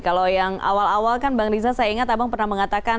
kalau yang awal awal kan bang riza saya ingat abang pernah mengatakan